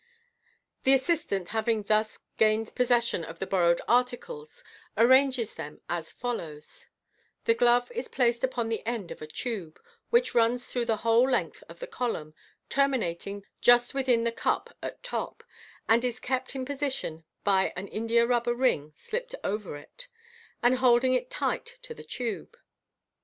The assistant, having thu? gained possession of the borrowed articles, arranges them as fol lows:— The glove is placed upon the end of a tube, which runs through the whole length of the column, terminating just within the cup at top, and is kept in position by an india rubber ring slipped over it, and holding it tight to the tube.